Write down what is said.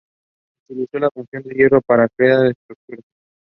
Among the new songs was the title track.